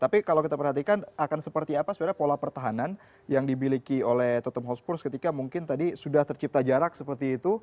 tapi kalau kita perhatikan akan seperti apa sebenarnya pola pertahanan yang dibiliki oleh tottenham hotspurs ketika mungkin tadi sudah tercipta jarak seperti itu